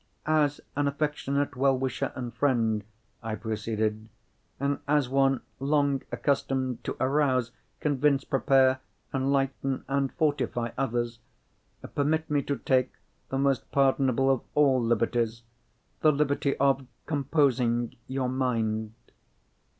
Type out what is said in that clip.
"As an affectionate well wisher and friend," I proceeded, "and as one long accustomed to arouse, convince, prepare, enlighten, and fortify others, permit me to take the most pardonable of all liberties—the liberty of composing your mind."